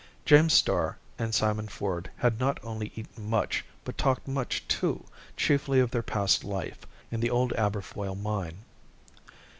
James Starr and Simon Ford had not only eaten much, but talked much too, chiefly of their past life in the old Aberfoyle mine.